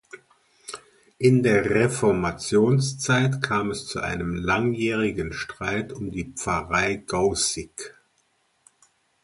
In der Reformationszeit kam es zu einem langjährigen Streit um die Pfarrei Gaußig.